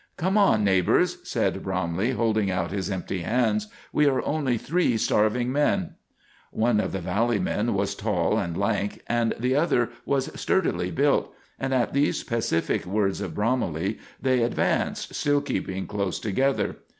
"Come on, neighbors," said Bromley, holding out his empty hands. "We are only three starving men." One of the valley men was tall and lank, and the other was sturdily built; and at these pacific words of Bromley they advanced, still keeping close together.